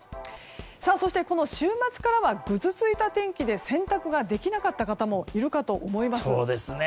そして、この週末からはぐずついた天気で洗濯ができなかった方もいるかと思います。